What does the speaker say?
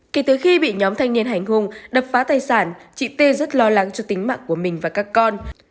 kể từ khi bị nhóm thanh niên hành hung đập phá tài sản chị t rất lo lắng cho tính mạng của mình và các con